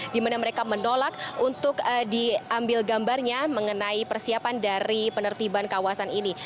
di mana mereka menolak untuk diambil gambarnya mengenai persiapan dari penertiban kawasan ini